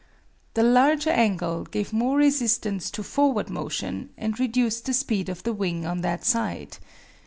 The larger angle gave more resistance to forward motion, and reduced the speed of the wing on that side.